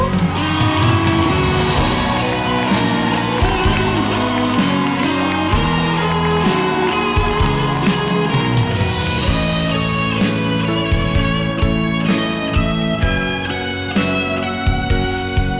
จริง